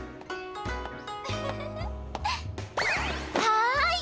はい！